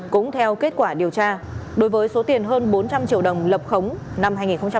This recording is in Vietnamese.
cũng theo kết quả điều tra đối với số tiền hơn bốn trăm linh triệu đồng lập khống năm hai nghìn một mươi